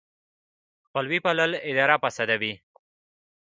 خپلوي پالل اداره فاسدوي.